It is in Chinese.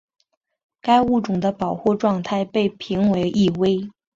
该物种的保护状况被评为易危。